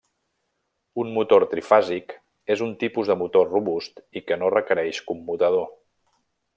Un motor trifàsic és un tipus de motor robust i que no requereix commutador.